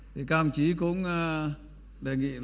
các bộ chính phủ cũng đề nghị